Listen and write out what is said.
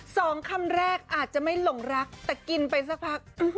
สองคำแรกอาจจะไม่หลงรักแต่กินไปสักพัก